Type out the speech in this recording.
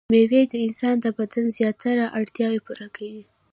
مېوې د انسان د بدن زياتره اړتياوې پوره کوي.